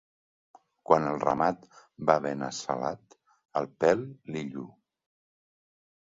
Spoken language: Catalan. Quan el ramat va ben assalat, el pèl li lluu.